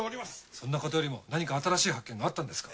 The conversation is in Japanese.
そんなことよりも何か新しい発見があったんですか？